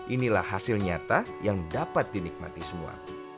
inilah hasil nyata yang dapat dinikmati semua